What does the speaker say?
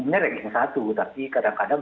sebenarnya ranking satu tapi kadang kadang